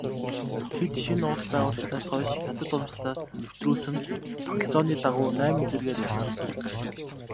Тэд шинэ улс байгуулагдсанаас хойш хятад уламжлалаас нэвтрүүлсэн тогтолцооны дагуу найман зэргээр ялгарсан.